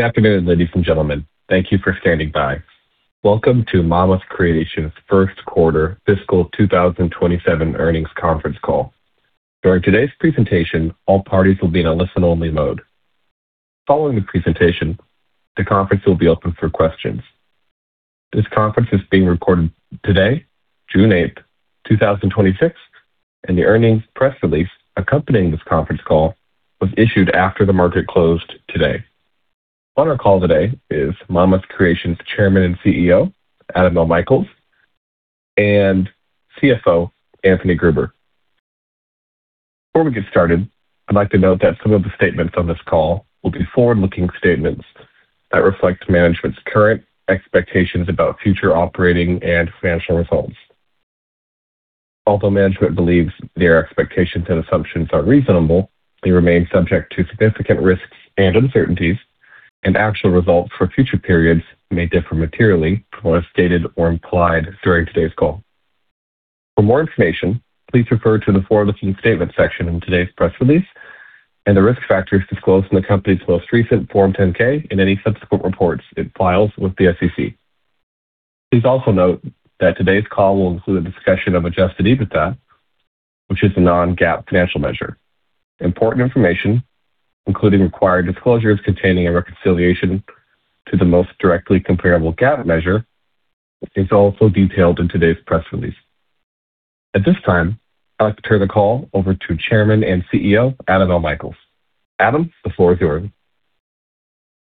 Good afternoon, ladies and gentlemen. Thank you for standing by. Welcome to Mama's Creations' first quarter fiscal 2027 earnings conference call. During today's presentation, all parties will be in a listen-only mode. Following the presentation, the conference will be open for questions. This conference is being recorded today, June 8th, 2026, and the earnings press release accompanying this conference call was issued after the market closed today. On our call today is Mama's Creations' Chairman and CEO, Adam L. Michaels, and CFO, Anthony Gruber. Before we get started, I'd like to note that some of the statements on this call will be forward-looking statements that reflect management's current expectations about future operating and financial results. Although management believes their expectations and assumptions are reasonable, they remain subject to significant risks and uncertainties, and actual results for future periods may differ materially from what is stated or implied during today's call. For more information, please refer to the forward-looking statements section in today's press release and the risk factors disclosed in the company's most recent Form 10-K and any subsequent reports it files with the SEC. Please also note that today's call will include a discussion of adjusted EBITDA, which is a non-GAAP financial measure. Important information, including required disclosures containing a reconciliation to the most directly comparable GAAP measure, is also detailed in today's press release. At this time, I'd like to turn the call over to Chairman and CEO, Adam L. Michaels. Adam, the floor is yours.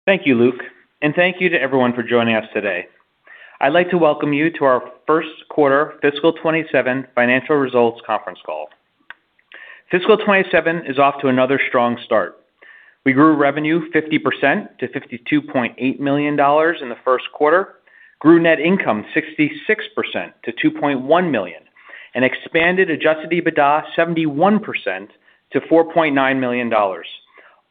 Thank you, Luke, and thank you to everyone for joining us today. I'd like to welcome you to our first quarter fiscal 2027 financial results conference call. Fiscal 2027 is off to another strong start. We grew revenue 50% to $52.8 million in the first quarter, grew net income 66% to $2.1 million, and expanded adjusted EBITDA 71% to $4.9 million,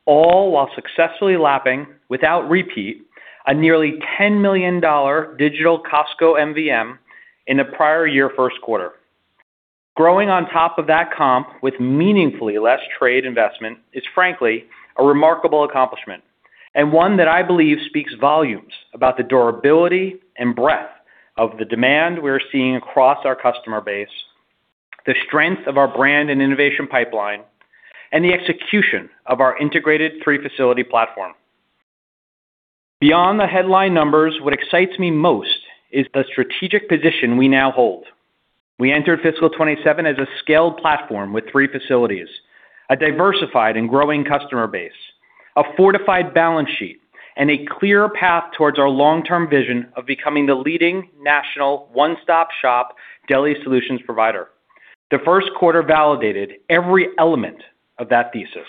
all while successfully lapping without repeat a nearly $10 million digital Costco MVM in the prior year first quarter. Growing on top of that comp with meaningfully less trade investment is frankly a remarkable accomplishment, and one that I believe speaks volumes about the durability and breadth of the demand we're seeing across our customer base, the strength of our brand and innovation pipeline, and the execution of our integrated three-facility platform. We entered fiscal 2027 as a scaled platform with three facilities, a diversified and growing customer base, a fortified balance sheet, and a clear path towards our long-term vision of becoming the leading national one-stop shop deli solutions provider. The first quarter validated every element of that thesis.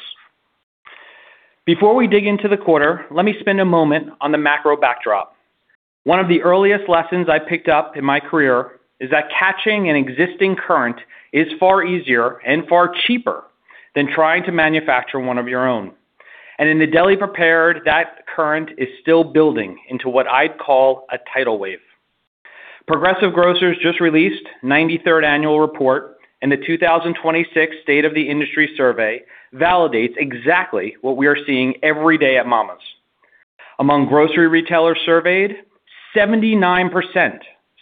Before we dig into the quarter, let me spend a moment on the macro backdrop. One of the earliest lessons I picked up in my career is that catching an existing current is far easier and far cheaper than trying to manufacture one of your own. And in the deli prepared, that current is still building into what I'd call a tidal wave. Progressive Grocer just released 93rd annual report, and the 2026 State of the Industry survey validates exactly what we are seeing every day at Mama's. Among grocery retailers surveyed, 79%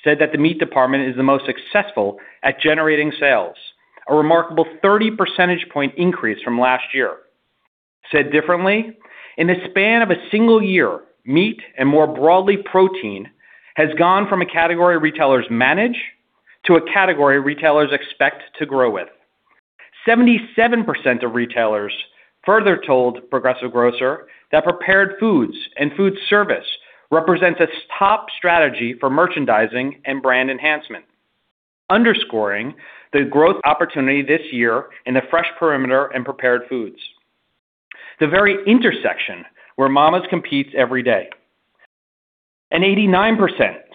said that the meat department is the most successful at generating sales. A remarkable 30 percentage point increase from last year. Said differently, in the span of a single year, meat, and more broadly protein, has gone from a category retailers manage to a category retailers expect to grow with. 77% of retailers further told Progressive Grocer that prepared foods and food service represents a top strategy for merchandising and brand enhancement, underscoring the growth opportunity this year in the fresh perimeter and prepared foods. The very intersection where Mama's competes every day. 89%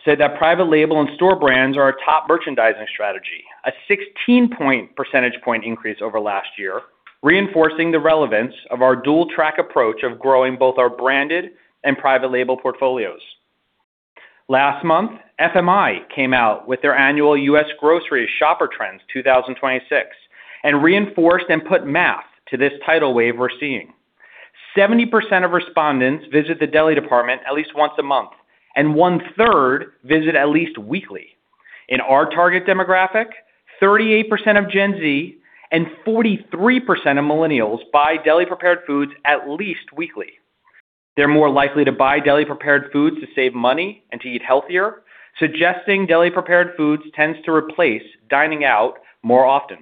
said that private label and store brands are a top merchandising strategy. A 16 percentage point increase over last year, reinforcing the relevance of our dual track approach of growing both our branded and private label portfolios. Last month, FMI came out with their annual U.S. Grocery Shopper Trends 2026, reinforced and put math to this tidal wave we're seeing. 70% of respondents visit the deli department at least once a month, and one-third visit at least weekly. In our target demographic, 38% of Gen Z and 43% of millennials buy deli prepared foods at least weekly. They're more likely to buy deli prepared foods to save money and to eat healthier, suggesting deli prepared foods tends to replace dining out more often.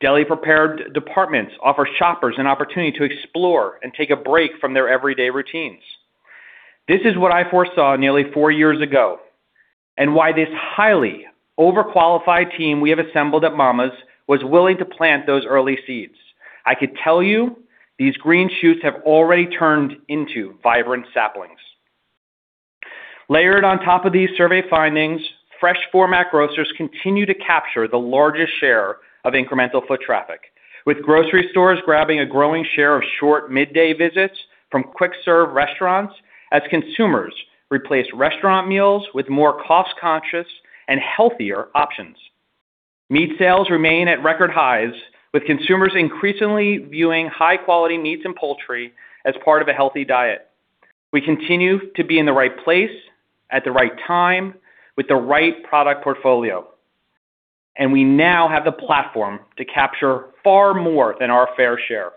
Deli-prepared departments offer shoppers an opportunity to explore and take a break from their everyday routines. This is what I foresaw nearly four years ago, and why this highly overqualified team we have assembled at Mama's was willing to plant those early seeds. I could tell you these green shoots have already turned into vibrant saplings. Layered on top of these survey findings, fresh format grocers continue to capture the largest share of incremental foot traffic, with grocery stores grabbing a growing share of short midday visits from quick-serve restaurants as consumers replace restaurant meals with more cost-conscious and healthier options. Meat sales remain at record highs, with consumers increasingly viewing high-quality meats and poultry as part of a healthy diet. We continue to be in the right place at the right time with the right product portfolio, and we now have the platform to capture far more than our fair share.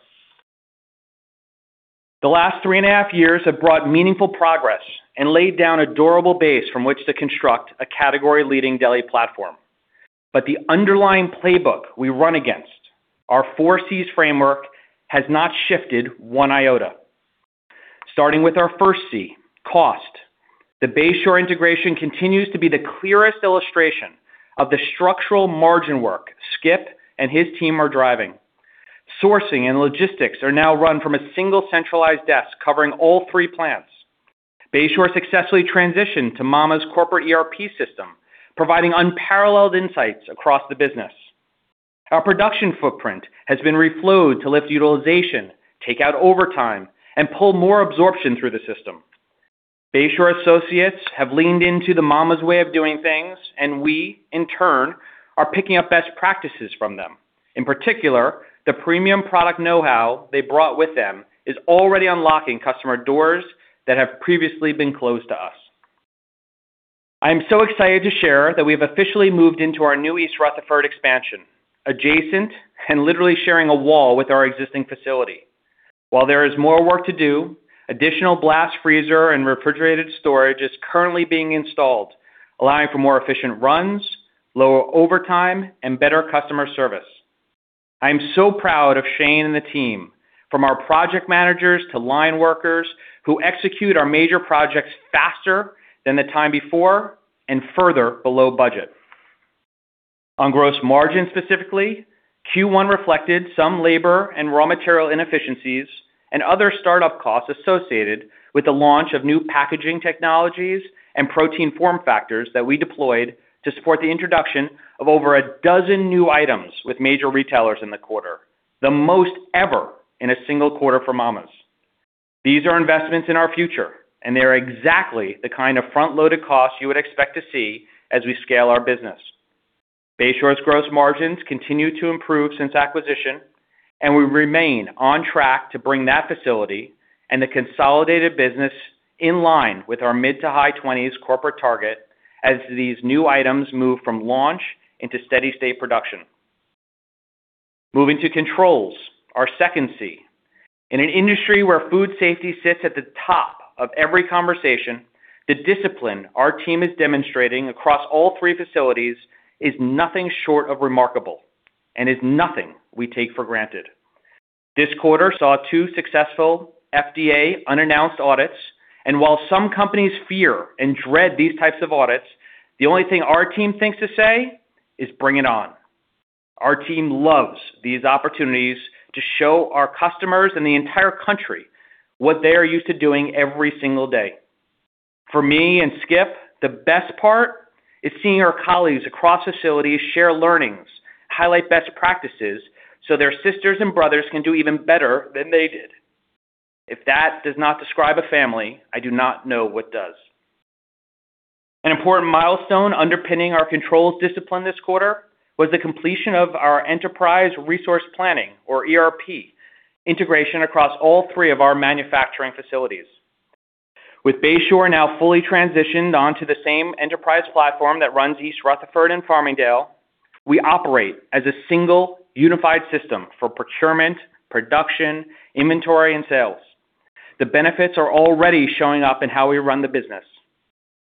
The last three and a half years have brought meaningful progress and laid down a durable base from which to construct a category-leading deli platform. The underlying playbook we run against, our Four Cs framework, has not shifted one iota. Starting with our first C, cost. The Bayshore integration continues to be the clearest illustration of the structural margin work Skip and his team are driving. Sourcing and logistics are now run from a single centralized desk covering all three plants. Bayshore successfully transitioned to Mama's corporate ERP system, providing unparalleled insights across the business. Our production footprint has been reflowed to lift utilization, take out overtime, and pull more absorption through the system. Bayshore associates have leaned into the Mama's way of doing things, and we, in turn, are picking up best practices from them. In particular, the premium product know-how they brought with them is already unlocking customer doors that have previously been closed to us. I am so excited to share that we have officially moved into our new East Rutherford expansion, adjacent and literally sharing a wall with our existing facility. While there is more work to do, additional blast freezer and refrigerated storage is currently being installed, allowing for more efficient runs, lower overtime, and better customer service. I am so proud of Shane and the team, from our project managers to line workers, who execute our major projects faster than the time before and further below budget. On gross margin, specifically, Q1 reflected some labor and raw material inefficiencies and other start-up costs associated with the launch of new packaging technologies and protein form factors that we deployed to support the introduction of over a dozen new items with major retailers in the quarter, the most ever in one single quarter for Mama's. Bayshore's gross margins continue to improve since acquisition, and we remain on track to bring that facility and the consolidated business in line with our mid to high 20s corporate target as these new items move from launch into steady state production. Moving to controls, our second C. In an industry where food safety sits at the top of every conversation, the discipline our team is demonstrating across all three facilities is nothing short of remarkable and is nothing we take for granted. This quarter saw two successful FDA unannounced audits, and while some companies fear and dread these types of audits, the only thing our team thinks to say is, "Bring it on." Our team loves these opportunities to show our customers and the entire country what they are used to doing every single day. For me and Skip, the best part is seeing our colleagues across facilities share learnings, highlight best practices, so their sisters and brothers can do even better than they did. If that does not describe a family, I do not know what does. An important milestone underpinning our controls discipline this quarter was the completion of our enterprise resource planning, or ERP, integration across all three of our manufacturing facilities. With Bayshore now fully transitioned onto the same enterprise platform that runs East Rutherford and Farmingdale, we operate as a single unified system for procurement, production, inventory, and sales. The benefits are already showing up in how we run the business.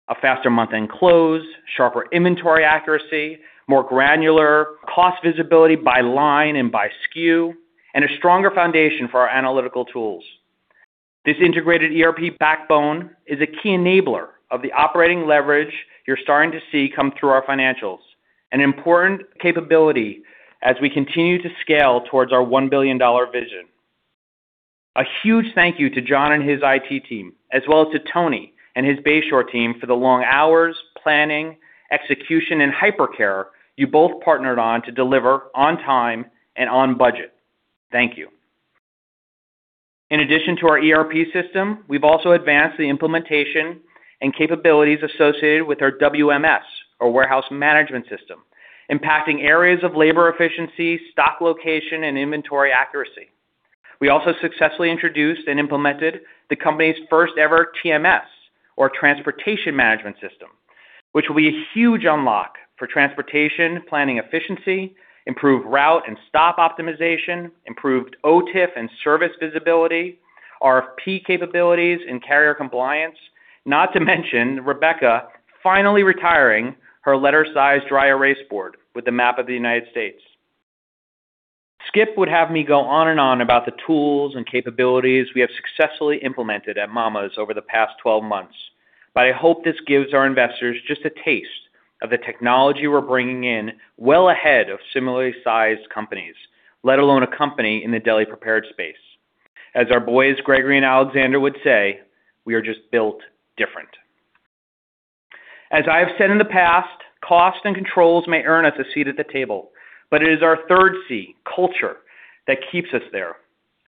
A faster month-end close, sharper inventory accuracy, more granular cost visibility by line and by SKU, and a stronger foundation for our analytical tools. This integrated ERP backbone is a key enabler of the operating leverage you're starting to see come through our financials, an important capability as we continue to scale towards our $1 billion vision. A huge thank you to John and his IT team, as well as to Tony and his Bayshore team for the long hours, planning, execution, and hypercare you both partnered on to deliver on time and on budget. Thank you. In addition to our ERP system, we've also advanced the implementation and capabilities associated with our WMS, or warehouse management system, impacting areas of labor efficiency, stock location, and inventory accuracy. We also successfully introduced and implemented the company's first ever TMS, or transportation management system, which will be a huge unlock for transportation planning efficiency, improved route and stop optimization, improved OTIF and service visibility, RFP capabilities, and carrier compliance. Not to mention, Rebecca finally retiring her letter-sized dry erase board with a map of the U.S. Skip would have me go on and on about the tools and capabilities we have successfully implemented at Mama's Creations over the past 12 months. I hope this gives our investors just a taste of the technology we're bringing in well ahead of similarly sized companies, let alone a company in the deli prepared space. As our boys, Gregory and Alexander, would say, "We are just built different." As I have said in the past, cost and controls may earn us a seat at the table, but it is our third C, culture, that keeps us there.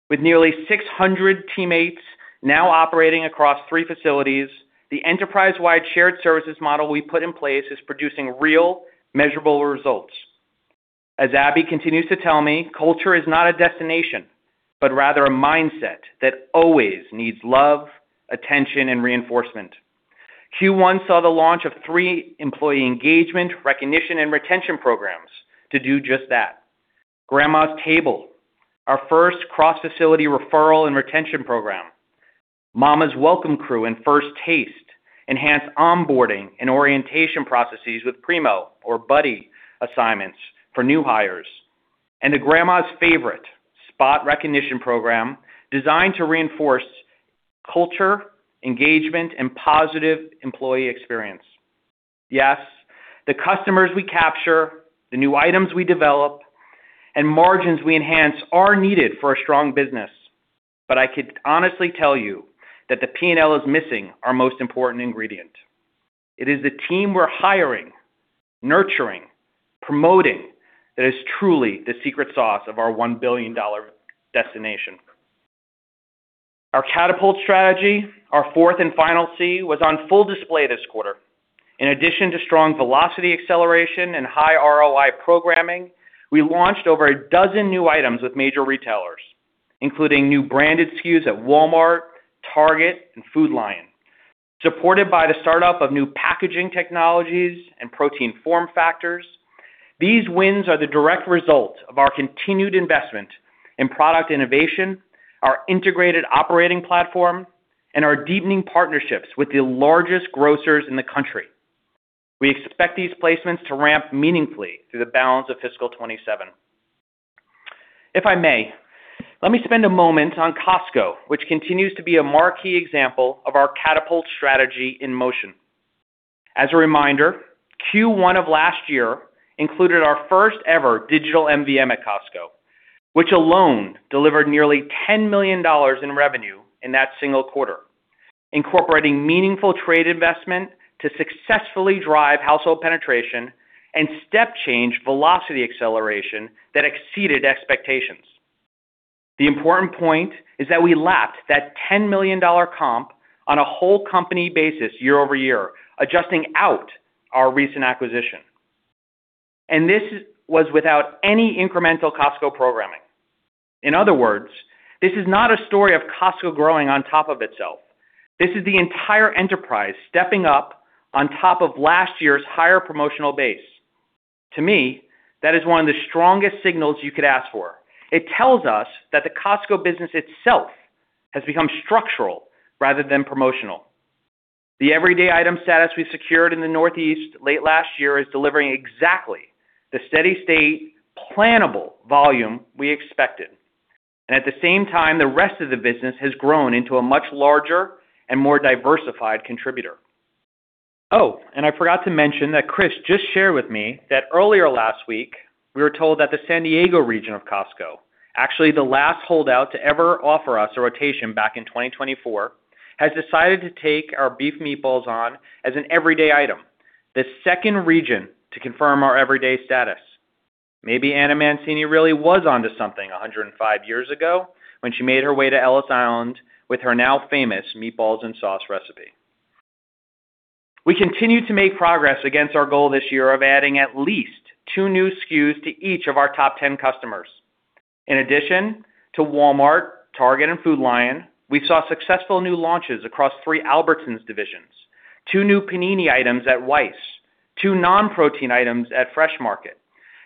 With nearly 600 teammates now operating across three facilities, the enterprise-wide shared services model we put in place is producing real, measurable results. As Abbey continues to tell me, culture is not a destination, but rather a mindset that always needs love, attention, and reinforcement. Q1 saw the launch of three employee engagement, recognition, and retention programs to do just that. Grandma's Table, our first cross-facility referral and retention program. Mama's Welcome Crew and First Taste enhance onboarding and orientation processes with primo or buddy assignments for new hires. The Grandma's Favorite spot recognition program designed to reinforce culture, engagement, and positive employee experience. Yes, the customers we capture, the new items we develop, and margins we enhance are needed for a strong business. I could honestly tell you that the P&L is missing our most important ingredient. It is the team we're hiring, nurturing, promoting, that is truly the secret sauce of our $1 billion destination. Our catapult strategy, our fourth and final C, was on full display this quarter. In addition to strong velocity acceleration and high ROI programming, we launched over a dozen new items with major retailers, including new branded SKUs at Walmart, Target, and Food Lion. Supported by the startup of new packaging technologies and protein form factors, these wins are the direct result of our continued investment in product innovation, our integrated operating platform, and our deepening partnerships with the largest grocers in the country. We expect these placements to ramp meaningfully through the balance of fiscal 2027. If I may, let me spend a moment on Costco, which continues to be a marquee example of our catapult strategy in motion. As a reminder, Q1 of last year included our first-ever digital MVM at Costco, which alone delivered nearly $10 million in revenue in that single quarter, incorporating meaningful trade investment to successfully drive household penetration and step change velocity acceleration that exceeded expectations. The important point is that we lapped that $10 million comp on a whole company basis year-over-year, adjusting out our recent acquisition. This was without any incremental Costco programming. In other words, this is not a story of Costco growing on top of itself. This is the entire enterprise stepping up on top of last year's higher promotional base. To me, that is one of the strongest signals you could ask for. It tells us that the Costco business itself has become structural rather than promotional. The everyday item status we secured in the Northeast late last year is delivering exactly the steady state plannable volume we expected. At the same time, the rest of the business has grown into a much larger and more diversified contributor. I forgot to mention that Chris just shared with me that earlier last week, we were told that the San Diego region of Costco, actually the last holdout to ever offer us a rotation back in 2024, has decided to take our beef meatballs on as an everyday item, the second region to confirm our everyday status. Maybe Anna Mancini really was onto something 105 years ago when she made her way to Ellis Island with her now-famous meatballs and sauce recipe. We continue to make progress against our goal this year of adding at least two new SKUs to each of our top 10 customers. In addition to Walmart, Target, and Food Lion, we saw successful new launches across three Albertsons divisions, two new Paninis items at Weis, two non-protein items at The Fresh Market,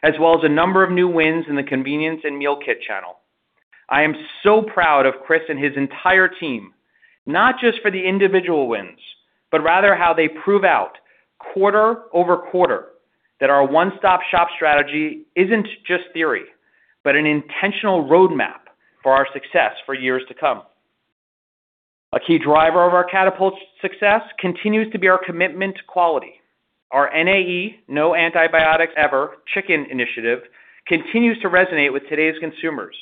as well as a number of new wins in the convenience and meal kit channel. I am so proud of Chris and his entire team, not just for the individual wins, but rather how they prove out quarter-over-quarter that our one-stop-shop strategy isn't just theory, but an intentional roadmap for our success for years to come. A key driver of our catapult success continues to be our commitment to quality. Our NAE, No Antibiotics Ever, chicken initiative continues to resonate with today's consumers,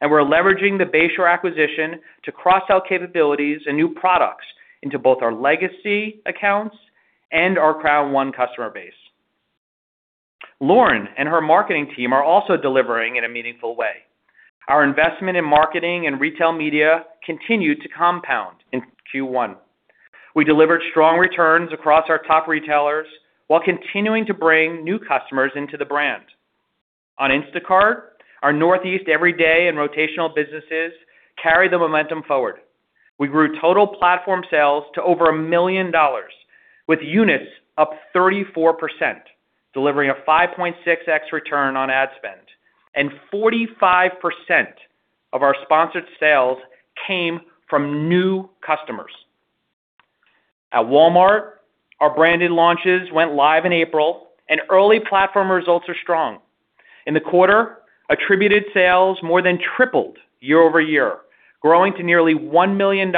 and we're leveraging the Bayshore acquisition to cross-sell capabilities and new products into both our legacy accounts and our Crown I customer base. Lauren and her marketing team are also delivering in a meaningful way. Our investment in marketing and retail media continued to compound in Q1. We delivered strong returns across our top retailers while continuing to bring new customers into the brand. On Instacart, our Northeast everyday and rotational businesses carry the momentum forward. We grew total platform sales to over $1 million, with units up 34%, delivering a 5.6x return on ad spend, and 45% of our sponsored sales came from new customers. At Walmart, our branded launches went live in April, and early platform results are strong. In the quarter, attributed sales more than tripled year-over-year, growing to nearly $1 million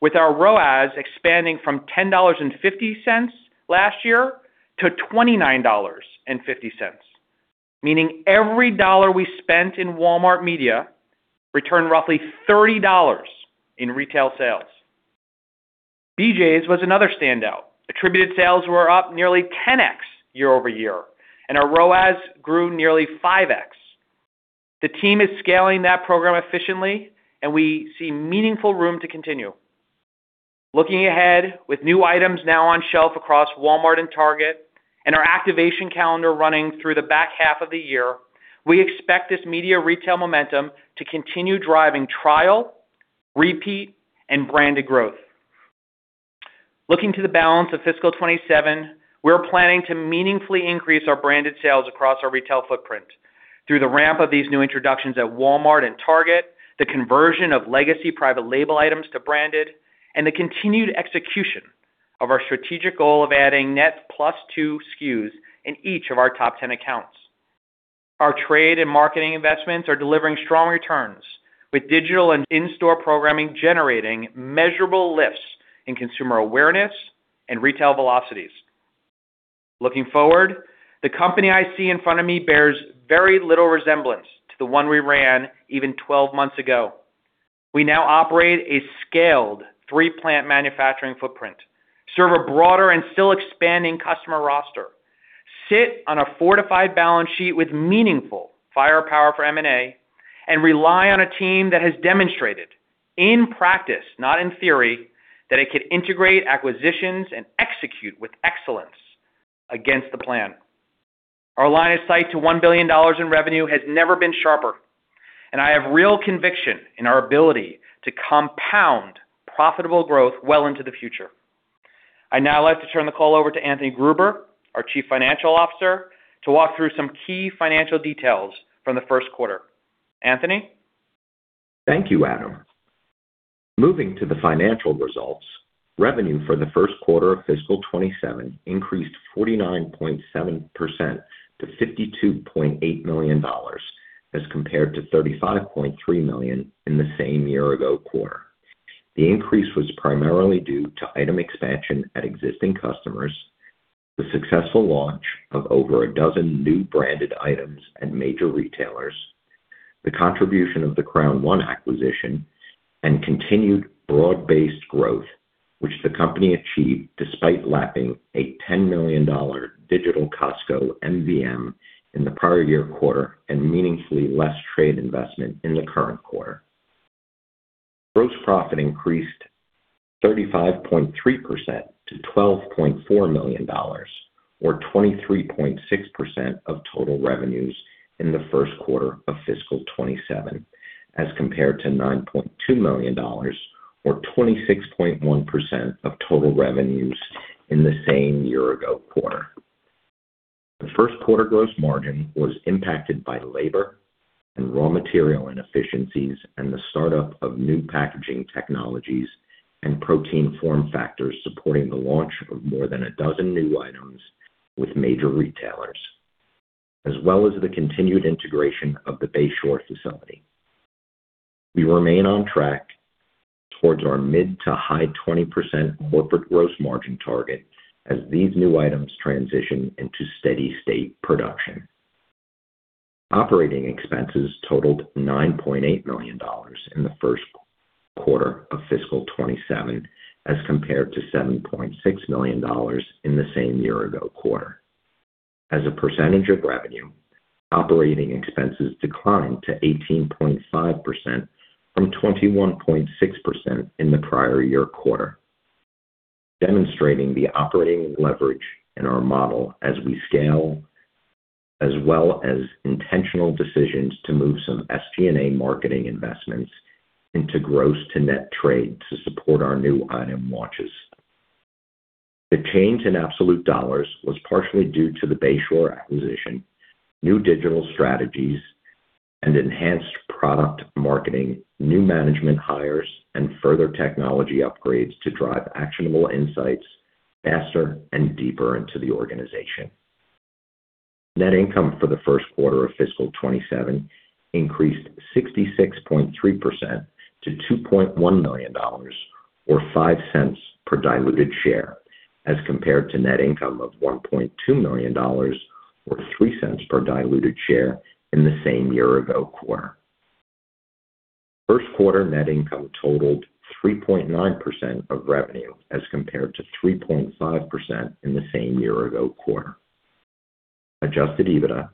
with our ROAS expanding from $10.50 last year to $29.50, meaning every dollar we spent in Walmart media returned roughly $30 in retail sales. BJ's was another standout. Attributed sales were up nearly 10x year-over-year, and our ROAS grew nearly 5x. The team is scaling that program efficiently, and we see meaningful room to continue. Looking ahead, with new items now on shelf across Walmart and Target, and our activation calendar running through the back half of the year, we expect this media retail momentum to continue driving trial, repeat, and branded growth. Looking to the balance of fiscal 2027, we're planning to meaningfully increase our branded sales across our retail footprint through the ramp of these new introductions at Walmart and Target, the conversion of legacy private label items to branded, and the continued execution of our strategic goal of adding net plus two SKUs in each of our top 10 accounts. Our trade and marketing investments are delivering strong returns, with digital and in-store programming generating measurable lifts in consumer awareness and retail velocities. Looking forward, the company I see in front of me bears very little resemblance to the one we ran even 12 months ago. We now operate a scaled three-plant manufacturing footprint, serve a broader and still expanding customer roster, sit on a fortified balance sheet with meaningful firepower for M&A, and rely on a team that has demonstrated in practice, not in theory, that it can integrate acquisitions and execute with excellence against the plan. Our line of sight to $1 billion in revenue has never been sharper, and I have real conviction in our ability to compound profitable growth well into the future. I'd now like to turn the call over to Anthony Gruber, our Chief Financial Officer, to walk through some key financial details from the first quarter. Anthony? Thank you, Adam. Moving to the financial results, revenue for the first quarter of fiscal 2027 increased 49.7% to $52.8 million, as compared to $35.3 million in the same year-ago quarter. The increase was primarily due to item expansion at existing customers, the successful launch of over a dozen new branded items at major retailers, the contribution of the Crown I acquisition, and continued broad-based growth, which the company achieved despite lapping a $10 million digital Costco MVM in the prior year quarter and meaningfully less trade investment in the current quarter. Gross profit increased 35.3% to $12.4 million, or 23.6% of total revenues in the first quarter of fiscal 2027, as compared to $9.2 million, or 26.1% of total revenues in the same year-ago quarter. The first quarter gross margin was impacted by labor and raw material inefficiencies and the start-up of new packaging technologies and protein form factors supporting the launch of more than a dozen new items with major retailers, as well as the continued integration of the Bayshore facility. We remain on track towards our mid to high 20% corporate gross margin target as these new items transition into steady-state production. Operating expenses totaled $9.8 million in the first quarter of fiscal 2027, as compared to $7.6 million in the same year-ago quarter. As a percentage of revenue, operating expenses declined to 18.5% from 21.6% in the prior year quarter, demonstrating the operating leverage in our model as we scale, as well as intentional decisions to move some SG&A marketing investments into gross to net trade to support our new item launches. The change in absolute dollars was partially due to the Bayshore acquisition, new digital strategies, and enhanced product marketing, new management hires, and further technology upgrades to drive actionable insights faster and deeper into the organization. Net income for the first quarter of fiscal 2027 increased 66.3% to $2.1 million, or $0.05 per diluted share, as compared to net income of $1.2 million, or $0.03 per diluted share in the same year-ago quarter. First quarter net income totaled 3.9% of revenue as compared to 3.5% in the same year-ago quarter. Adjusted EBITDA,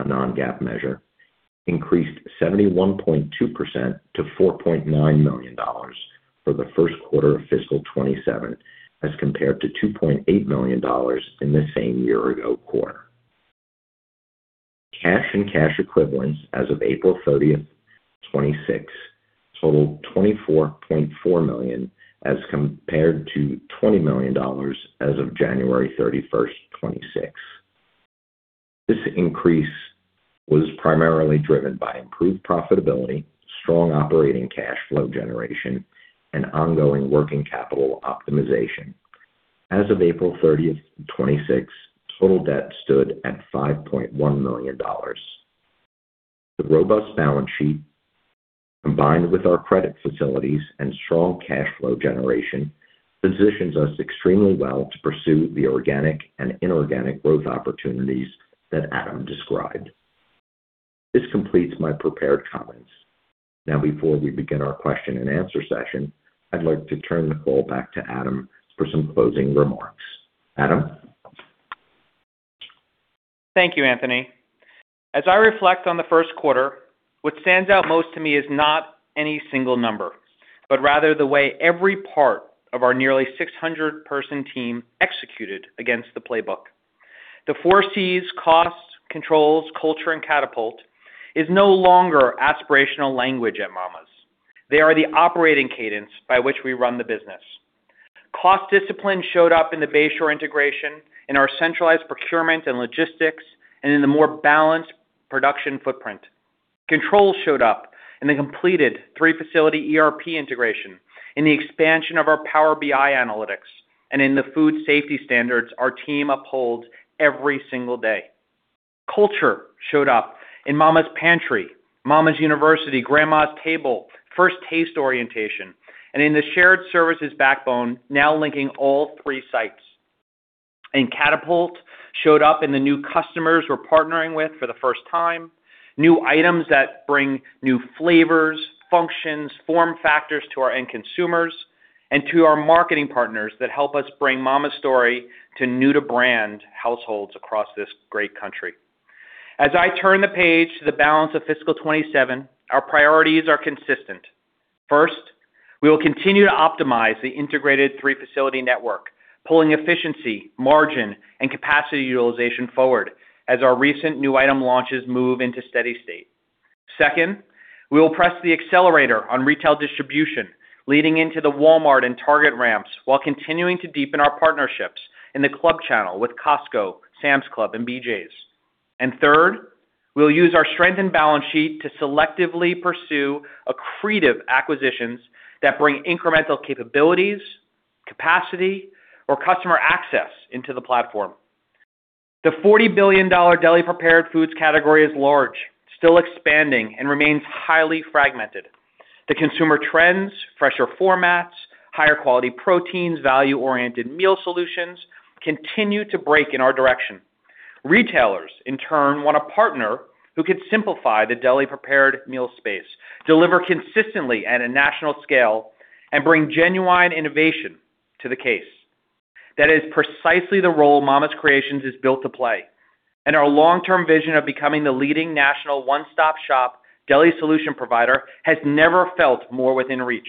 a non-GAAP measure, increased 71.2% to $4.9 million for the first quarter of fiscal 2027, as compared to $2.8 million in the same year-ago quarter. Cash and cash equivalents as of April 30, 2026 totaled $24.4 million as compared to $20 million as of January 31, 2026. This increase was primarily driven by improved profitability, strong operating cash flow generation, and ongoing working capital optimization. As of April 30th, 2026, total debt stood at $5.1 million. The robust balance sheet, combined with our credit facilities and strong cash flow generation, positions us extremely well to pursue the organic and inorganic growth opportunities that Adam described. This completes my prepared comments. Before we begin our question and answer session, I'd like to turn the call back to Adam for some closing remarks. Adam? Thank you, Anthony. As I reflect on the first quarter, what stands out most to me is not any single number, but rather the way every part of our nearly 600-person team executed against the playbook. The four Cs, cost, controls, culture, and catapult, is no longer aspirational language at Mama's. They are the operating cadence by which we run the business. Cost discipline showed up in the Bayshore integration, in our centralized procurement and logistics, and in the more balanced production footprint. Control showed up in the completed three-facility ERP integration, in the expansion of our Power BI analytics, and in the food safety standards our team upholds every single day. Culture showed up in Mama's Pantry, Mama's University, Grandma's Table, First Taste orientation, and in the shared services backbone now linking all three sites. Catapult showed up in the new customers we're partnering with for the first time, new items that bring new flavors, functions, form factors to our end consumers, and to our marketing partners that help us bring Mama's story to new-to-brand households across this great country. As I turn the page to the balance of fiscal 2027, our priorities are consistent. First, we will continue to optimize the integrated three-facility network, pulling efficiency, margin, and capacity utilization forward as our recent new item launches move into steady state. Second, we will press the accelerator on retail distribution leading into the Walmart and Target ramps while continuing to deepen our partnerships in the club channel with Costco, Sam's Club, and BJ's. Third, we'll use our strengthened balance sheet to selectively pursue accretive acquisitions that bring incremental capabilities, capacity, or customer access into the platform. The $40 billion deli prepared foods category is large, still expanding, and remains highly fragmented. The consumer trends, fresher formats, higher quality proteins, value-oriented meal solutions continue to break in our direction. Retailers, in turn, want a partner who can simplify the deli prepared meal space, deliver consistently at a national scale, and bring genuine innovation to the case. That is precisely the role Mama's Creations is built to play, and our long-term vision of becoming the leading national one-stop shop deli solution provider has never felt more within reach.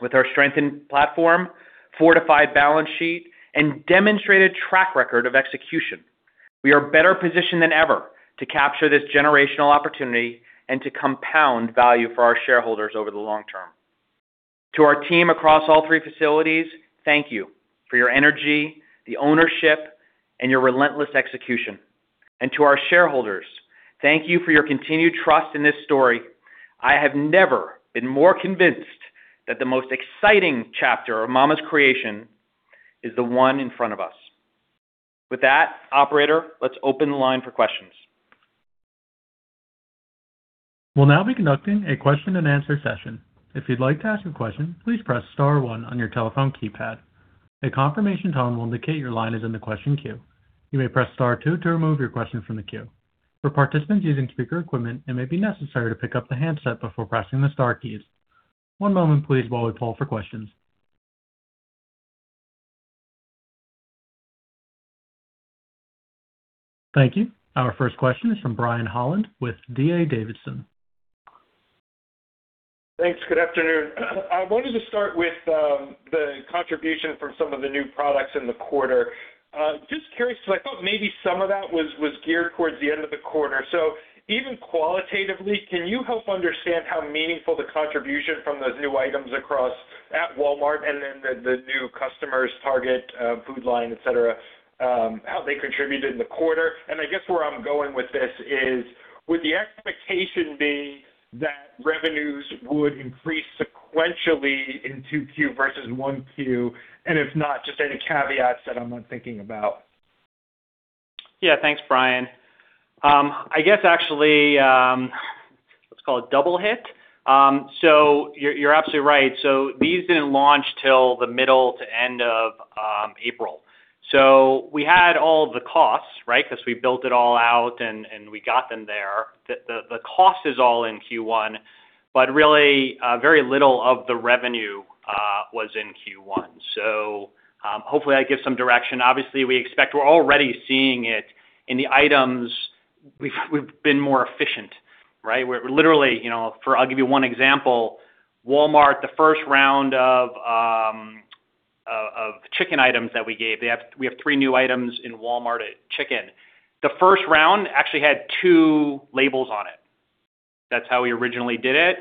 With our strengthened platform, fortified balance sheet, and demonstrated track record of execution, we are better positioned than ever to capture this generational opportunity and to compound value for our shareholders over the long term. To our team across all three facilities, thank you for your energy, the ownership, and your relentless execution. To our shareholders, thank you for your continued trust in this story. I have never been more convinced that the most exciting chapter of Mama's Creations is the one in front of us. With that, operator, let's open the line for questions. We'll now be conducting a question and answer session. If you'd like to ask a question, please press star one on your telephone keypad. A confirmation tone will indicate your line is in the question queue. You may press star 2 to remove your question from the queue. For participants using speaker equipment, it may be necessary to pick up the handset before pressing the star keys. One moment, please, while we poll for questions. Thank you. Our first question is from Brian Holland with D.A. Davidson. Thanks. Good afternoon. I wanted to start with the contribution from some of the new products in the quarter. Just curious, because I thought maybe some of that was geared towards the end of the quarter. Even qualitatively, can you help understand how meaningful the contribution from those new items across at Walmart and then the new customers, Target, Food Lion, et cetera, how they contributed in the quarter? I guess where I'm going with this is, would the expectation be that revenues would increase sequentially in 2Q versus 1Q? And if not, just any caveats that I'm not thinking about. Yeah. Thanks, Brian. I guess actually, let's call it double hit. You're absolutely right. These didn't launch till the middle to end of April. We had all the costs, right? Because we built it all out and we got them there. The cost is all in Q1, but really, very little of the revenue was in Q1. Hopefully, that gives some direction. Obviously, we expect we're already seeing it in the items. We've been more efficient, right? Where literally, I'll give you one example. Walmart, the first round of chicken items that we gave. We have three new items in Walmart chicken. The first round actually had two labels on it. That's how we originally did it.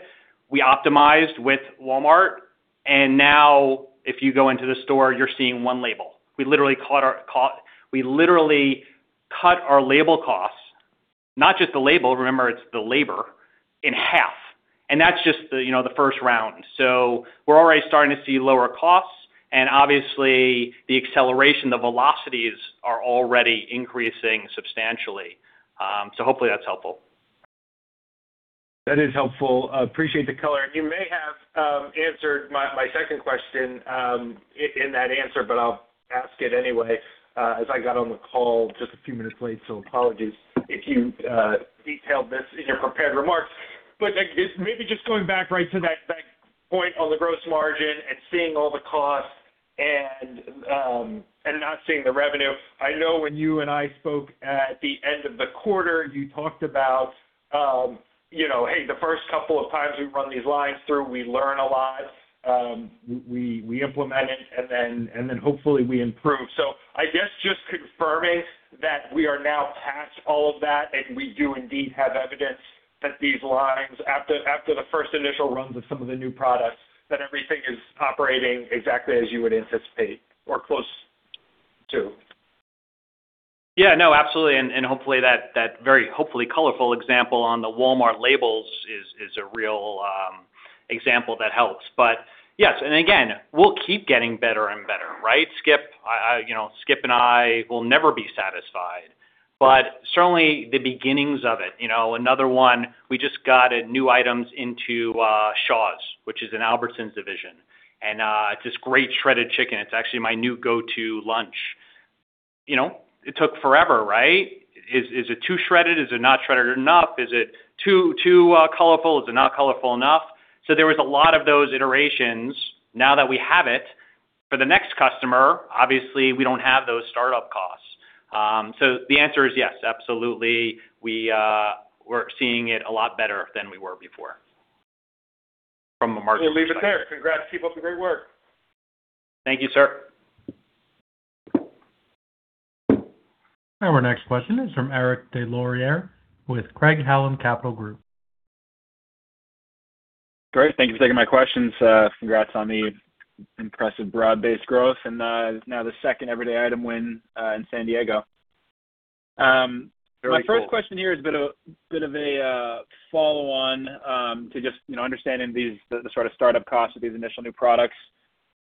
We optimized with Walmart, and now if you go into the store, you're seeing one label. We literally cut our label costs, not just the label, remember, it's the labor, in half, and that's just the first round. We're already starting to see lower costs, and obviously the acceleration, the velocities are already increasing substantially. Hopefully, that's helpful. That is helpful. Appreciate the color. You may have answered my second question in that answer, I'll ask it anyway, as I got on the call just a few minutes late, apologies if you detailed this in your prepared remarks. Maybe just going back right to that point on the gross margin and seeing all the costs and not seeing the revenue. I know when you and I spoke at the end of the quarter, you talked about, "Hey, the first couple of times we run these lines through, we learn a lot. We implement it, and then hopefully we improve." I guess just confirming that we are now past all of that, and we do indeed have evidence that these lines, after the first initial runs of some of the new products, that everything is operating exactly as you would anticipate or close to. Yeah. No, absolutely. Hopefully that very hopefully colorful example on the Walmart labels is a real example that helps. Yes. Again, we'll keep getting better and better, right, Skip? Skip and I will never be satisfied, but certainly the beginnings of it. Another one, we just got new items into Shaw's, which is an Albertsons division, and it's this great shredded chicken. It's actually my new go-to lunch. It took forever, right? Is it too shredded? Is it not shredded enough? Is it too colorful? Is it not colorful enough? There was a lot of those iterations. Now that we have it, for the next customer, obviously, we don't have those startup costs. The answer is yes, absolutely. We're seeing it a lot better than we were before from a margin perspective. We'll leave it there. Congrats, people. Great work. Thank you, sir. Our next question is from Eric Des Lauriers with Craig-Hallum Capital Group. Great. Thank you for taking my questions. Congrats on the impressive broad-based growth, and now the second everyday item win in San Diego. Very cool. My first question here is a bit of a follow-on to just understanding the sort of startup costs of these initial new products.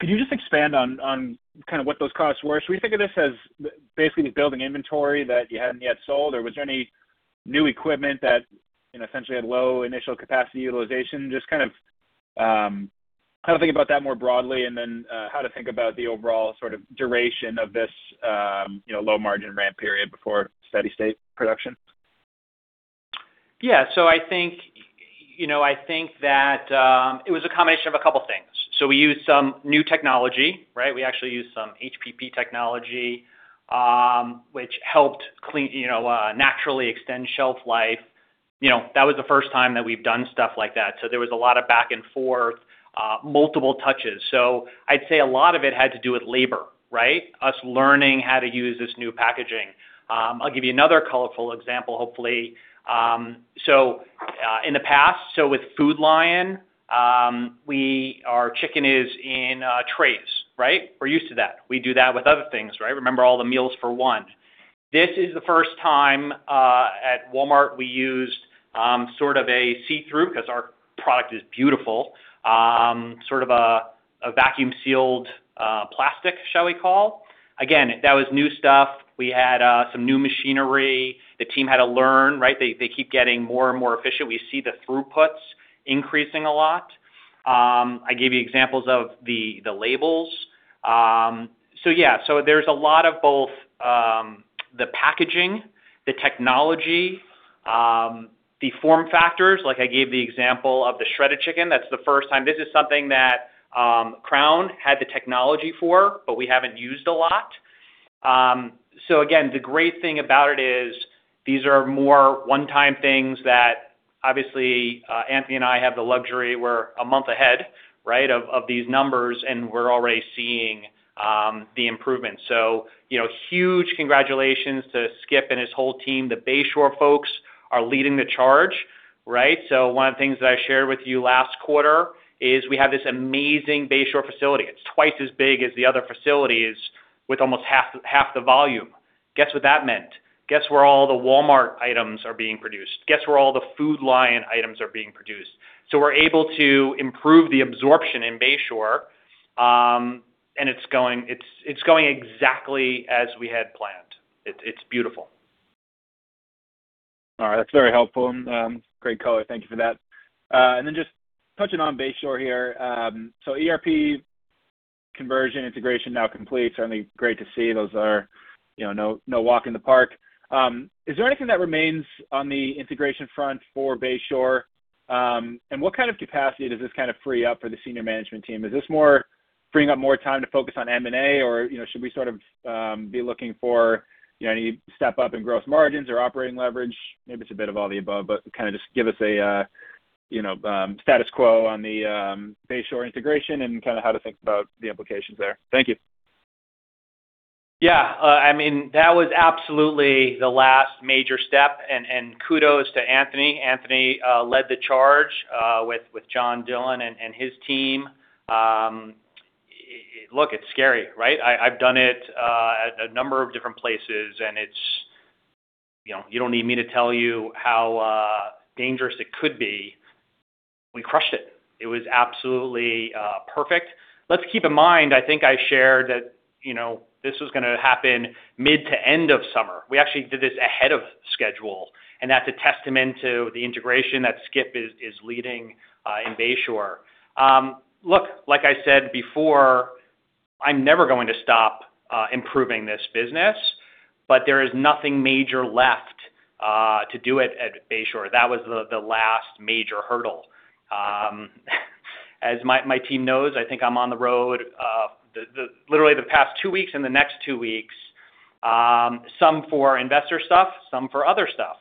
Could you just expand on what those costs were? Should we think of this as basically building inventory that you hadn't yet sold, or was there any new equipment that essentially had low initial capacity utilization? Just how to think about that more broadly, and then how to think about the overall sort of duration of this low margin ramp period before steady state production. Yeah. I think that it was a combination of a couple things. We used some new technology, right? We actually used some HPP technology, which helped naturally extend shelf life. That was the first time that we've done stuff like that. There was a lot of back and forth, multiple touches. I'd say a lot of it had to do with labor, right? Us learning how to use this new packaging. I'll give you another colorful example, hopefully. In the past, with Food Lion, our chicken is in trays, right? We're used to that. We do that with other things, right? Remember all the Meals for One. This is the first time at Walmart we used sort of a see-through, because our product is beautiful, sort of a vacuum-sealed plastic, shall we call. Again, that was new stuff. We had some new machinery. The team had to learn, right? They keep getting more and more efficient. We see the throughputs increasing a lot. I gave you examples of the labels. Yeah, there's a lot of both the packaging, the technology, the form factors. Like I gave the example of the shredded chicken. That's the first time. This is something that Crown had the technology for, but we haven't used a lot. Again, the great thing about it is these are more one-time things that obviously Anthony and I have the luxury. We're a month ahead, right, of these numbers, and we're already seeing the improvements. Huge congratulations to Skip and his whole team. The Bayshore folks are leading the charge, right? One of the things that I shared with you last quarter is we have this amazing Bayshore facility. It's twice as big as the other facilities with almost half the volume. Guess what that meant? Guess where all the Walmart items are being produced? Guess where all the Food Lion items are being produced. We're able to improve the absorption in Bayshore, and it's going exactly as we had planned. It's beautiful. All right. That's very helpful. Great color. Thank you for that. Just touching on Bayshore here. ERP conversion integration now complete. Certainly great to see. Those are no walk in the park. Is there anything that remains on the integration front for Bayshore? What kind of capacity does this free up for the senior management team? Is this more freeing up more time to focus on M&A, or should we sort of be looking for any step up in gross margins or operating leverage? Maybe it's a bit of all the above, but just give us a status quo on the Bayshore integration and how to think about the implications there. Thank you. Yeah. That was absolutely the last major step. Kudos to Anthony. Anthony led the charge with John Dillon and his team. Look, it's scary, right? I've done it at a number of different places, and you don't need me to tell you how dangerous it could be. We crushed it. It was absolutely perfect. Let's keep in mind, I think I shared that this was going to happen mid to end of summer. We actually did this ahead of schedule, and that's a testament to the integration that Skip is leading in Bayshore. Look, like I said before, I'm never going to stop improving this business, but there is nothing major left to do at Bayshore. That was the last major hurdle. As my team knows, I think I'm on the road, literally the past two weeks and the next two weeks, some for investor stuff, some for other stuff.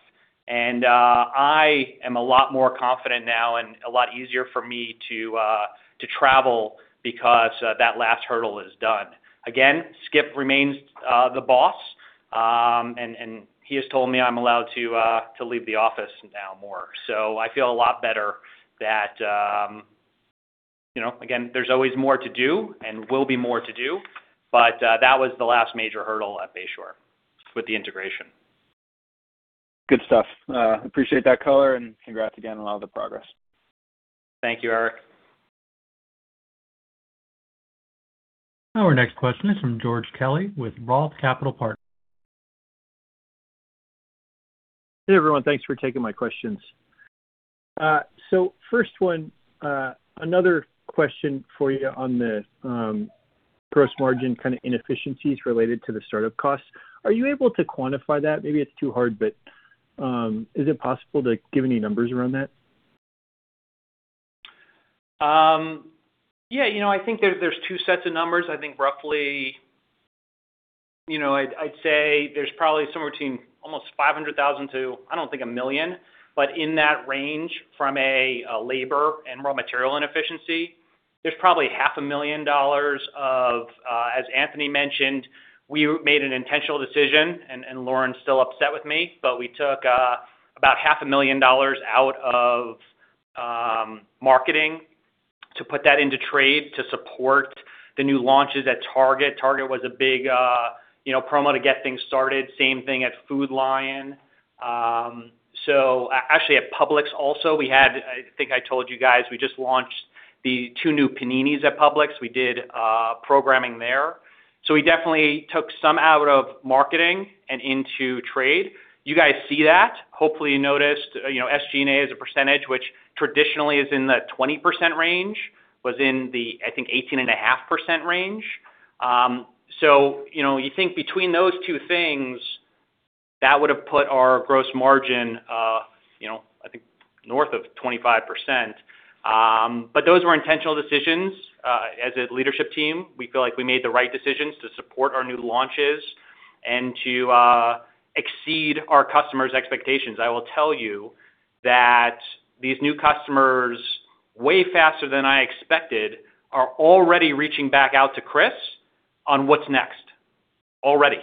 I am a lot more confident now and a lot easier for me to travel because that last hurdle is done. Again, Skip remains the boss, and he has told me I'm allowed to leave the office now more. I feel a lot better that again, there's always more to do and will be more to do, but that was the last major hurdle at Bayshore with the integration. Good stuff. Appreciate that color and congrats again on all the progress. Thank you, Eric. Our next question is from George Kelly with Roth Capital Partners. Hey, everyone. Thanks for taking my questions. First one, another question for you on the gross margin kind of inefficiencies related to the startup costs. Are you able to quantify that? Maybe it is too hard, but is it possible to give any numbers around that? Yeah. I think there is two sets of numbers. I think roughly, I would say there is probably somewhere between almost $500,000 to, I don't think $1 million, but in that range from a labor and raw material inefficiency. There is probably half a million dollars of, as Anthony mentioned, we made an intentional decision, and Lauren is still upset with me, but we took about half a million dollars out of marketing to put that into trade to support the new launches at Target. Target was a big promo to get things started, same thing at Food Lion. Actually at Publix also, we had, I think I told you guys, we just launched the two new Paninis at Publix. We did programming there. We definitely took some out of marketing and into trade. You guys see that. Hopefully, you noticed SG&A as a percentage, which traditionally is in the 20% range, was in the, I think, 18.5% range. You think between those two things, that would've put our gross margin, I think north of 25%. But those were intentional decisions. As a leadership team, we feel like we made the right decisions to support our new launches and to exceed our customers' expectations. I will tell you that these new customers, way faster than I expected, are already reaching back out to Chris on what's next. Already.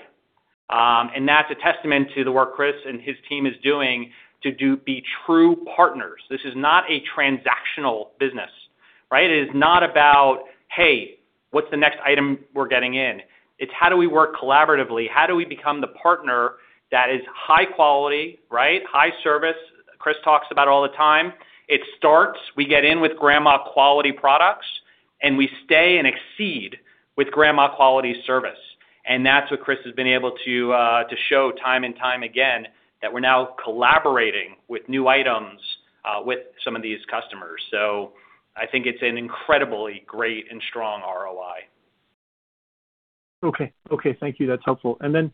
That's a testament to the work Chris and his team is doing to be true partners. This is not a transactional business, right? It is not about, "Hey, what's the next item we're getting in?" It's how do we work collaboratively? How do we become the partner that is high quality, right, high service? Chris talks about it all the time. It starts, we get in with grandma quality products, and we stay and exceed with grandma quality service. That's what Chris has been able to show time and time again, that we're now collaborating with new items, with some of these customers. I think it's an incredibly great and strong ROI. Okay. Thank you. That's helpful. Then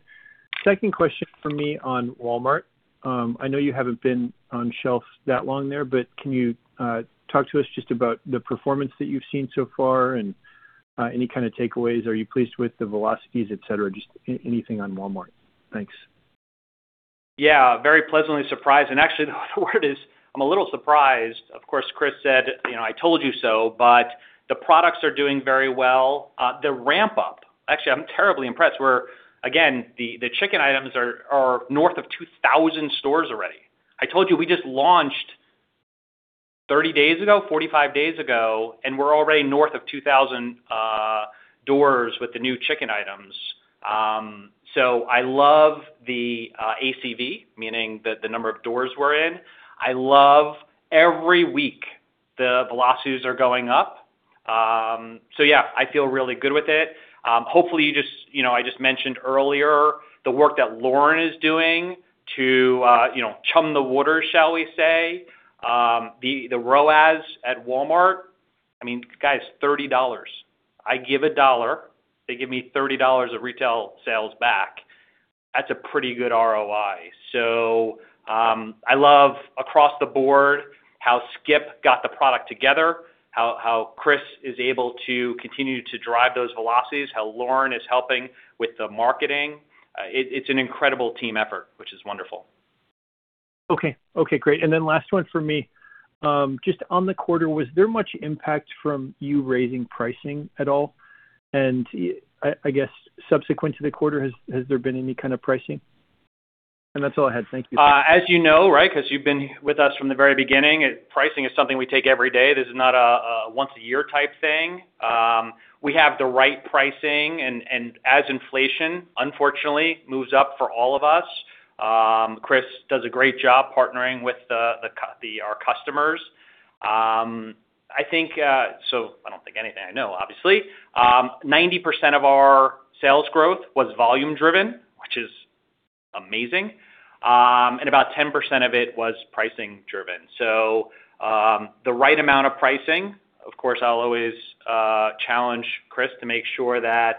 second question from me on Walmart. I know you haven't been on shelf that long there, but can you talk to us just about the performance that you've seen so far and any kind of takeaways? Are you pleased with the velocities, et cetera? Just anything on Walmart. Thanks. Yeah, very pleasantly surprised. Actually, the word is I'm a little surprised. Of course, Chris said, "I told you so," but the products are doing very well. The ramp up, actually, I'm terribly impressed. We're, again, the chicken items are north of 2,000 stores already. I told you we just launched 30 days ago, 45 days ago, and we're already north of 2,000 doors with the new chicken items. I love the ACV, meaning the number of doors we're in. I love every week the velocities are going up. Yeah. I feel really good with it. Hopefully, I just mentioned earlier the work that Lauren is doing to chum the water, shall we say. The ROAS at Walmart, I mean, guys, $30. I give a dollar, they give me $30 of retail sales back. That's a pretty good ROI. I love across the board how Skip got the product together, how Chris is able to continue to drive those velocities, how Lauren is helping with the marketing. It's an incredible team effort, which is wonderful. Okay. Great. Last one for me. Just on the quarter, was there much impact from you raising pricing at all? I guess subsequent to the quarter, has there been any kind of pricing? And that's all I had. Thank you. As you know, right, because you've been with us from the very beginning, pricing is something we take every day. This is not a once a year type thing. We have the right pricing, as inflation, unfortunately, moves up for all of us, Chris does a great job partnering with our customers. I don't think anything I know, obviously. 90% of our sales growth was volume driven, which is amazing. About 10% of it was pricing driven. The right amount of pricing. Of course, I'll always challenge Chris to make sure that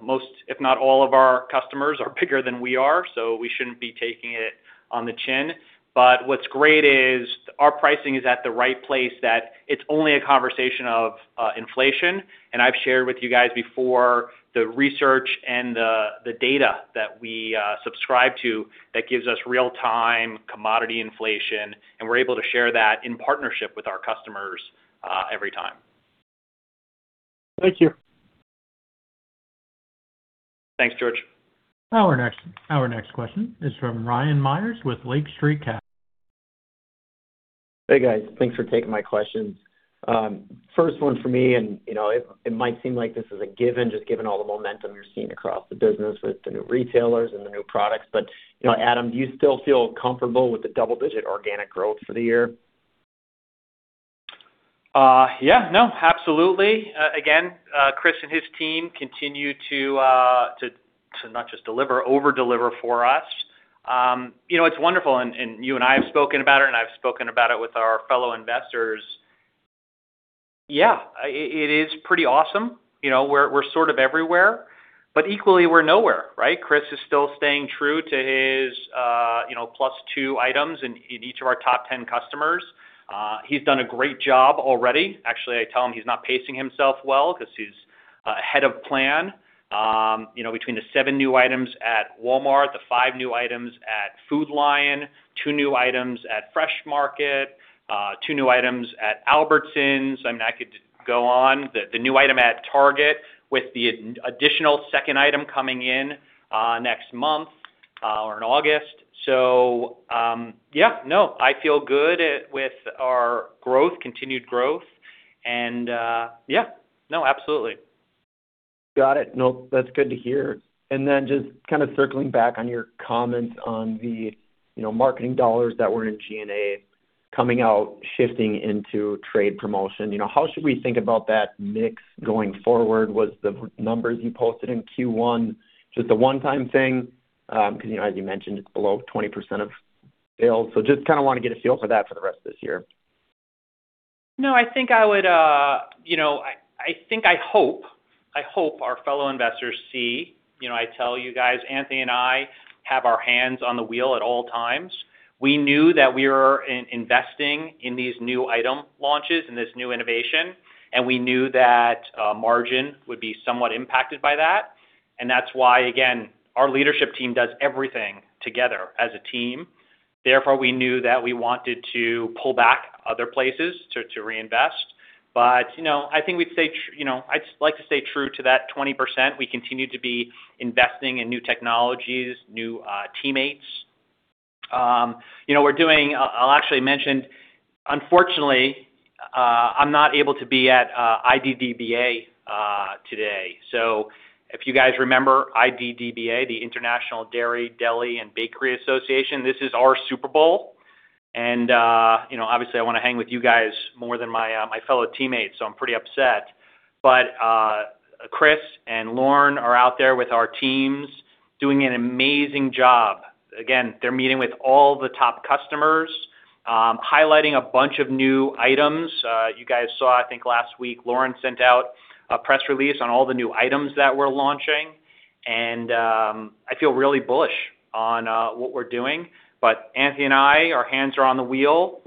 most, if not all of our customers are bigger than we are, so we shouldn't be taking it on the chin. What's great is our pricing is at the right place, that it's only a conversation of inflation. I've shared with you guys before the research and the data that we subscribe to that gives us real-time commodity inflation, and we're able to share that in partnership with our customers every time. Thank you. Thanks, George. Our next question is from Ryan Meyers with Lake Street Capital. Hey, guys. Thanks for taking my questions. First one for me, and it might seem like this is a given, just given all the momentum you're seeing across the business with the new retailers and the new products. Adam, do you still feel comfortable with the double-digit organic growth for the year? Absolutely. Again, Chris and his team continue to not just deliver, overdeliver for us. It's wonderful, and you and I have spoken about it, and I've spoken about it with our fellow investors. It is pretty awesome. We're sort of everywhere, but equally, we're nowhere, right? Chris is still staying true to his plus two items in each of our top 10 customers. He's done a great job already. Actually, I tell him he's not pacing himself well because he's ahead of plan. Between the seven new items at Walmart, the five new items at Food Lion, two new items at Fresh Market, two new items at Albertsons. I could go on. The new item at Target with the additional second item coming in next month or in August. No, I feel good with our continued growth, and no, absolutely. Got it. No, that's good to hear. Just kind of circling back on your comment on the marketing dollars that were in G&A coming out, shifting into trade promotion. How should we think about that mix going forward? Was the numbers you posted in Q1 just a one-time thing? Because as you mentioned, it's below 20% of sales. Just kind of want to get a feel for that for the rest of this year. I hope our fellow investors see. I tell you guys, Anthony and I have our hands on the wheel at all times. We knew that we were investing in these new item launches and this new innovation, and we knew that margin would be somewhat impacted by that. That's why, again, our leadership team does everything together as a team. Therefore, we knew that we wanted to pull back other places to reinvest. I'd like to stay true to that 20%. We continue to be investing in new technologies, new teammates. I'll actually mention, unfortunately, I'm not able to be at IDDBA today. If you guys remember IDDBA, the International Dairy, Deli and Bakery Association, this is our Super Bowl. Obviously I want to hang with you guys more than my fellow teammates, so I'm pretty upset. Chris and Lauren are out there with our teams doing an amazing job. Again, they're meeting with all the top customers, highlighting a bunch of new items. You guys saw, I think, last week, Lauren sent out a press release on all the new items that we're launching, I feel really bullish on what we're doing. Anthony and I, our hands are on the wheel.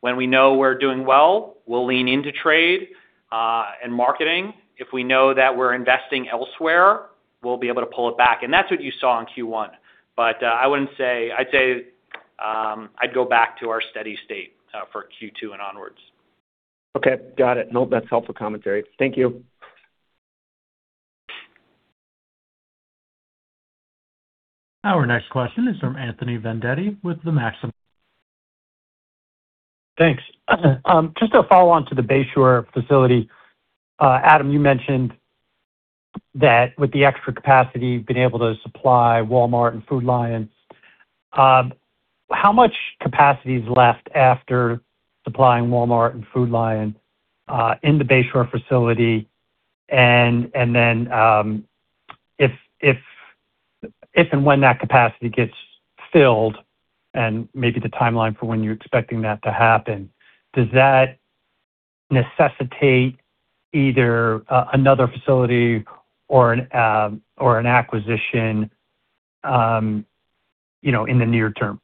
When we know we're doing well, we'll lean into trade and marketing. If we know that we're investing elsewhere, we'll be able to pull it back. That's what you saw in Q1. I'd say I'd go back to our steady state for Q2 and onwards. Okay. Got it. No, that's helpful commentary. Thank you. Our next question is from Anthony Vendetti with the Maxim. Thanks. Just to follow on to the Bayshore facility. Adam, you mentioned that with the extra capacity, you've been able to supply Walmart and Food Lion. How much capacity is left after supplying Walmart and Food Lion in the Bayshore facility? Then, if and when that capacity gets filled, and maybe the timeline for when you're expecting that to happen, does that necessitate either another facility or an acquisition in the near term?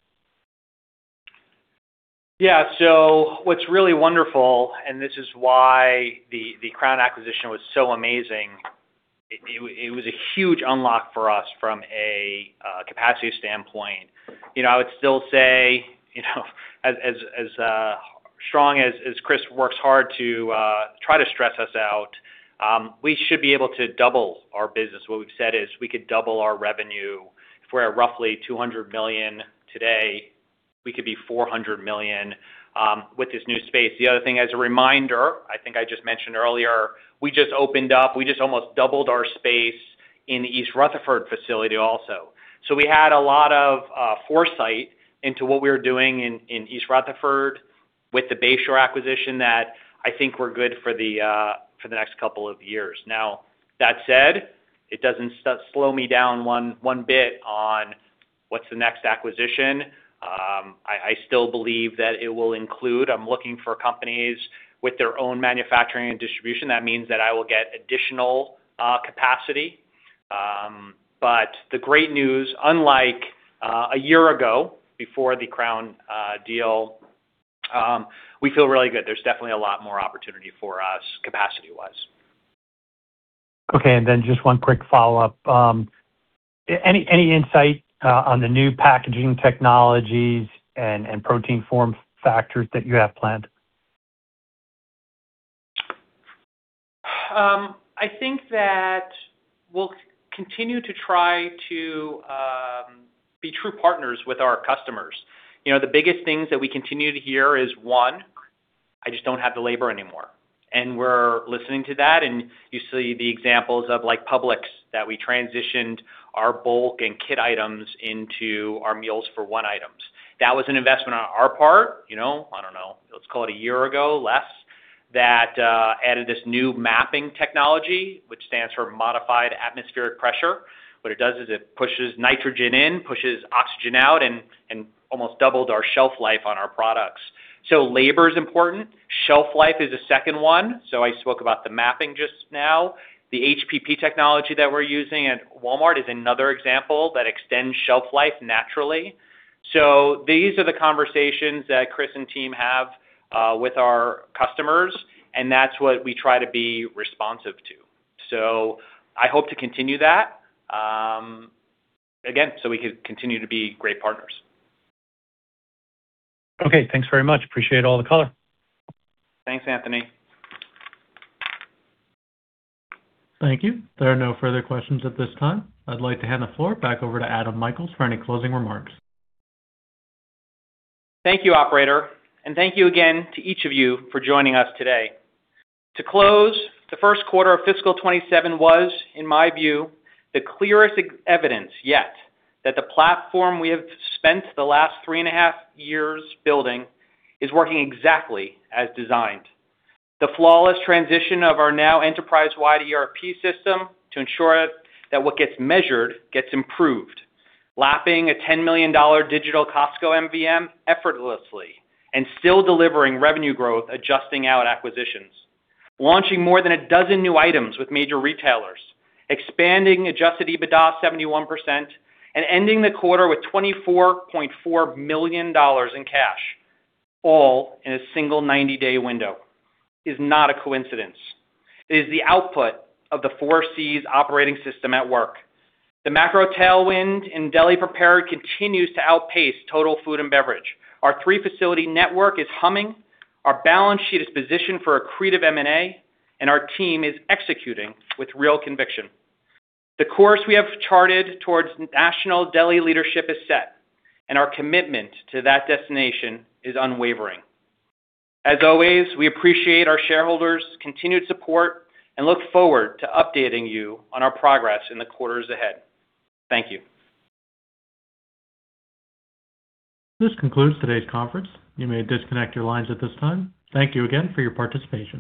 Yeah. What's really wonderful, and this is why the Crown acquisition was so amazing, it was a huge unlock for us from a capacity standpoint. I would still say, as strong as Chris works hard to try to stress us out, we should be able to double our business. What we've said is we could double our revenue if we're at roughly $200 million today. We could be $400 million with this new space. The other thing, as a reminder, I think I just mentioned earlier, we just opened up. We just almost doubled our space in the East Rutherford facility also. We had a lot of foresight into what we were doing in East Rutherford with the Bayshore acquisition that I think we're good for the next couple of years. Now, that said, it doesn't slow me down one bit on what's the next acquisition. I still believe that I'm looking for companies with their own manufacturing and distribution. That means that I will get additional capacity. The great news, unlike a year ago, before the Crown deal, we feel really good. There's definitely a lot more opportunity for us capacity-wise. Just one quick follow-up. Any insight on the new packaging technologies and protein form factors that you have planned? I think that we'll continue to try to be true partners with our customers. The biggest things that we continue to hear is, one, "I just don't have the labor anymore." We're listening to that, and you see the examples of like Publix, that we transitioned our bulk and kit items into our Meals for One items. That was an investment on our part, I don't know, let's call it a year ago, less, that added this new mapping technology, which stands for Modified Atmosphere Pressure. What it does is it pushes nitrogen in, pushes oxygen out, and almost doubled our shelf life on our products. Labor is important. Shelf life is a second one. I spoke about the mapping just now. The HPP technology that we're using at Walmart is another example that extends shelf life naturally. These are the conversations that Chris and team have with our customers, that's what we try to be responsive to. I hope to continue that, again, we can continue to be great partners. Thanks very much. Appreciate all the color. Thanks, Anthony. Thank you. There are no further questions at this time. I'd like to hand the floor back over to Adam L. Michaels for any closing remarks. Thank you, operator. Thank you again to each of you for joining us today. To close, the first quarter of fiscal 2027 was, in my view, the clearest evidence yet that the platform we have spent the last three and a half years building is working exactly as designed. The flawless transition of our now enterprise-wide ERP system to ensure that what gets measured gets improved. Lapping a $10 million digital Costco MVM effortlessly and still delivering revenue growth, adjusting out acquisitions. Launching more than a dozen new items with major retailers. Expanding adjusted EBITDA 71%, ending the quarter with $24.4 million in cash, all in a single 90-day window, is not a coincidence. It is the output of the Four Cs operating system at work. The macro tailwind in deli prepared continues to outpace total food and beverage. Our three-facility network is humming, our balance sheet is positioned for accretive M&A, and our team is executing with real conviction. The course we have charted towards national deli leadership is set, and our commitment to that destination is unwavering. As always, we appreciate our shareholders' continued support and look forward to updating you on our progress in the quarters ahead. Thank you. This concludes today's conference. You may disconnect your lines at this time. Thank you again for your participation.